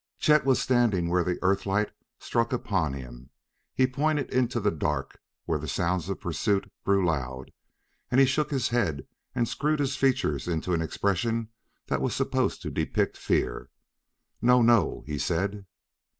Chet was standing where the Earth light struck upon him; he pointed into the dark where the sounds of pursuit grew loud, and he shook his head and screwed his features into an expression that was supposed to depict fear. "No! No!" he said.